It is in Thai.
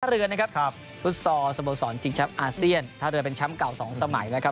ท่าเรือนนะครับครับฟุตซอร์สโมสรจิงช้ำอาเซียนท่าเรือนเป็นช้ำเก่าสองสมัยนะครับ